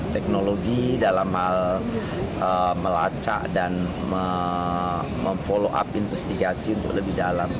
teknologi dalam hal melacak dan memfollow up investigasi untuk lebih dalam